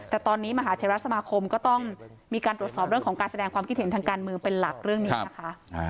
แต่ตอนนี้มหาเทราสมาคมก็ต้องมีการตรวจสอบเรื่องของการแสดงความคิดเห็นทางการเมืองเป็นหลักเรื่องนี้นะคะ